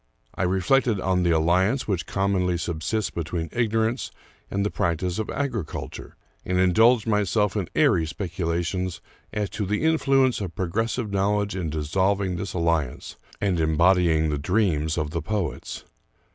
I reflected on the alliance which com monly subsists between ignorance and the practice of agri culture, and indulged myself in airy speculations as to the influence of progressive knowledge in dissolving this alli ance and embodying the dreams of the poets.